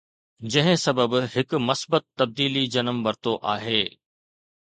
جنهن سبب هڪ مثبت تبديلي جنم ورتو آهي